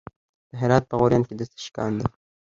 د هرات په غوریان کې د څه شي کان دی؟